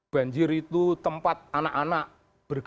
banjir itu tempat anak anak bergerak